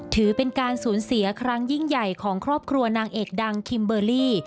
ถือเป็นการสูญเสียครั้งยิ่งใหญ่ของครอบครัวนางเอกดังคิมเบอร์รี่